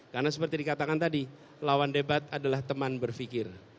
karena seperti dikatakan tadi lawan debat adalah teman berpikir